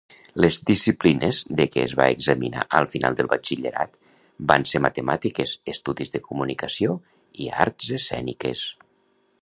Les disciplines de què es va examinar al final del batxillerat van ser Matemàtiques, Estudis de comunicació i Arts escèniques.